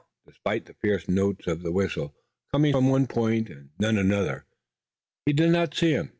Despite the fierce notes of the whistle, coming from one point and then another, he did not see him.